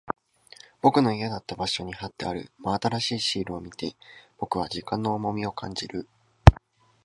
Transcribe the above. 僕の家だった場所に貼ってある真新しいシールを見て、僕は時間の重みを感じる。